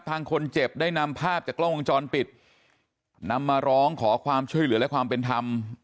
ทางคนเจ็บได้นำภาพจากกล้องวงจรปิดนำมาร้องขอความช่วยเหลือและความเป็นธรรม